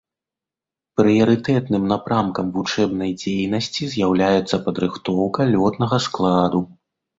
Прыярытэтным напрамкам вучэбнай дзейнасці з'яўляецца падрыхтоўка лётнага складу.